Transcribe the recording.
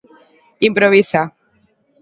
Improvisa.